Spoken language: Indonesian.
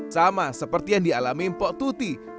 sama seperti yang dialami mpok tuti